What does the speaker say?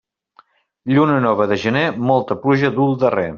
Lluna nova de gener molta pluja duu al darrer.